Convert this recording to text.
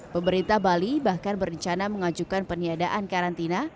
pemerintah bali bahkan berencana mengajukan peniadaan karantina